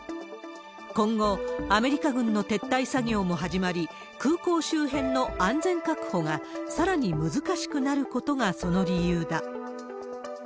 今後、アメリカ軍の撤退作業も始まり、空港周辺の安全確保がさらに難しくなることがその理由だ。